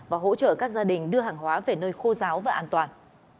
và hỗ trợ các gia đình đưa hàng hóa về nơi khô giáo và an toàn